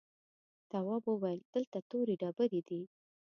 تواب وويل: دلته تورې ډبرې دي.